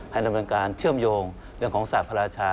ดำเนินการเชื่อมโยงเรื่องของศาสตร์พระราชา